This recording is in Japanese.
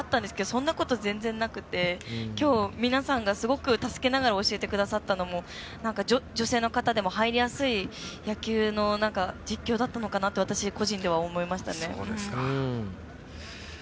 そんなこと全然なくってきょう、皆さんがすごく助けながら教えてくださったのも女性の方でも入りやすい野球の実況だったのかなって私個人では思いましたね。